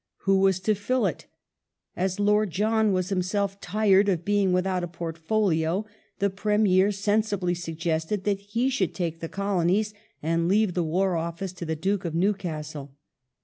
Who was to fill it ? As Lord John was himself tired of being without a portfolio, the Premier sensibly suggested that he should take the Colonies and leave the War Office to the Duke of Newcfistle.